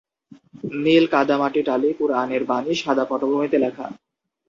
নীল কাদামাটি টালি কুরআনের বাণী সাদা পটভূমিতে লেখা।